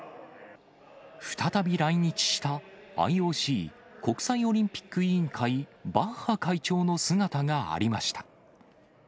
再び来日したＩＯＣ・国際オリンピック委員会、バッハ会長の姿がありました。